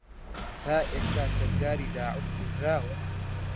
تا ئێستا چەکداری داعش کوژراون